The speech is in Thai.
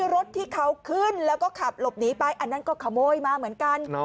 รถที่เขาขึ้นแล้วก็ขับหลบหนีไปอันนั้นก็ขโมยมาเหมือนกัน